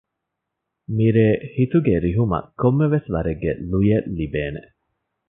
މިރޭ ހިތުގެ ރިހުމަށް ކޮންމެވެސް ވަރެއްގެ ލުޔެއް ލިބޭނެ